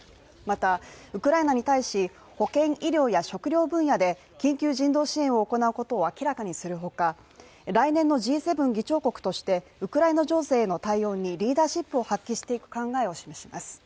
また、ウクライナに対し保健・医療や食料分野で緊急人道支援を行うことを明らかにするほか、来年のＧ７議長国としてウクライナ情勢への対応にリーダーシップを発揮していく考えを示します。